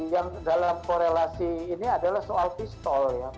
yang dalam korelasi ini adalah soal pistol ya